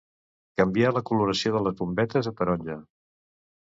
Canviar la coloració de les bombetes a taronja.